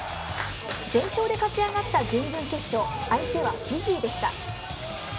全勝で勝ち上がった準々決勝相手はフィジーでした。